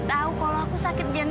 ma udah dong restuin kita ya